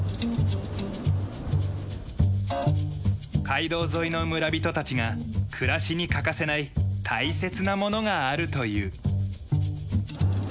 街道沿いの村人たちが暮らしに欠かせない大切なものがあるという。